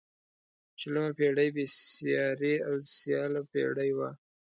شلمه پيړۍ بې سیارې او سیاله پيړۍ وه.